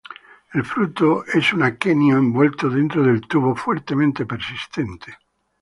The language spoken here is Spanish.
El fruto es un aquenio envuelto dentro del tubo fuertemente persistente.